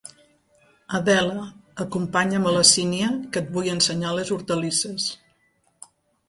Adela, acompanya'm a la Sínia, que et vull ensenyar les hortalisses.